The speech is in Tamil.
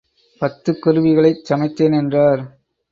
பத்து குருவிகளைச் சமைத்தேன் என்றார்.